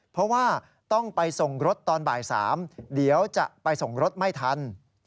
เพราะว่าต้องไปส่งรถตอนบ่าย๓เดี๋ยวจะไปส่งรถไม่ทัน